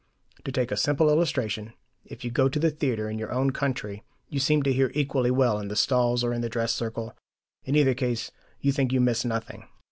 To take a simple illustration: if you go to the theatre in your own country, you seem to hear equally well in the stalls or the dress circle; in either case you think you miss nothing.